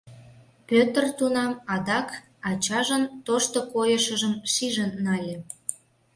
Пӧтыр тунам адак ачажын тошто койышыжым шижын нале.